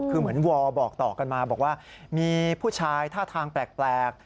คือเหมือนวอลบอกต่อกันมาบอกว่ามีผู้ชายท่าทางแปลก